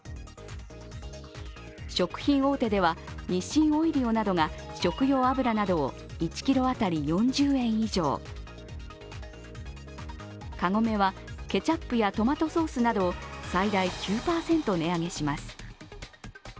食品大手では、日清オイリオなどが食用油などを１ｋｇ当たり４０円以上、カゴメはケチャップやトマトソースなどを最大９％値上げします。